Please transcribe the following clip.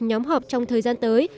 nhóm họp trong thời gian tới